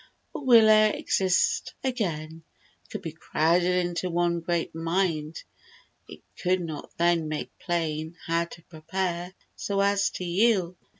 Or will e'er exist again Could be crowded into one great mind It could not then make plain How to prepare, so as to yield.